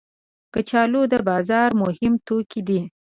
کچالو د بازار مهم توکي دي